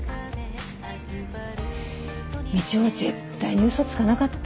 みちおは絶対に嘘つかなかった。